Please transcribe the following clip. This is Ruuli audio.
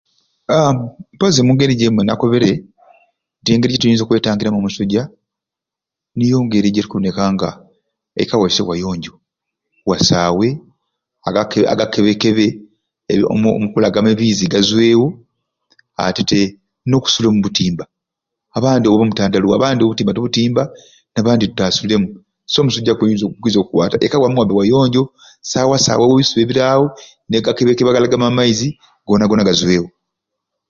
Haaa mpozi mungeri nijjo emwei nakobre nti engeri gyoyinza okwetangiramu omusujja niyo ngeri gyetukuboneka nga eika weyiswe wayonjo wasaawe agakebekebe omukulagama ebizzi gazwewo ate te nokusula omubutimba abandi oba obutandaluwa abandi obutimba abandi batasulemu so omu omusujja guyinza okukwata eika wabe wayonjo sawa sawawo iyawo ebisubi ebiryawo nagakebekebe agalagamamu amaizi gona gona gazwewo